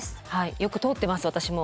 よく通ってます私も。